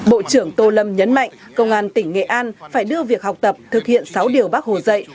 bộ trưởng tô lâm nhấn mạnh công an tỉnh nghệ an phải đưa việc học tập thực hiện sáu điều bác hồ dạy